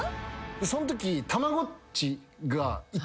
そんとき。